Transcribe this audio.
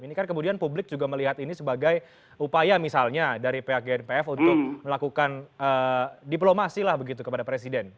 ini kan kemudian publik juga melihat ini sebagai upaya misalnya dari pihak gnpf untuk melakukan diplomasi lah begitu kepada presiden